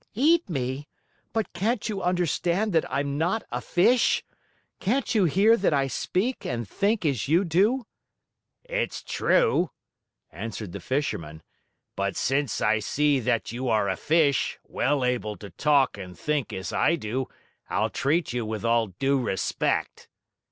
"Eat me? But can't you understand that I'm not a fish? Can't you hear that I speak and think as you do?" "It's true," answered the Fisherman; "but since I see that you are a fish, well able to talk and think as I do, I'll treat you with all due respect."